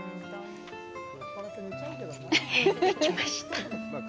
できました。